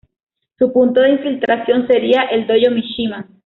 Su punto de infiltración sería el Dojo Mishima.